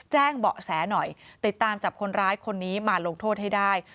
แจ้งเบาะแสหน่อยติดตามจับคนร้ายคนนี้มาลงโทษให้ได้